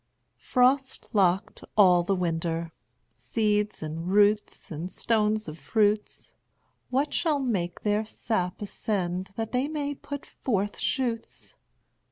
Frost locked all the winter, Seeds, and roots, and stones of fruits, What shall make their sap ascend That they may put forth shoots?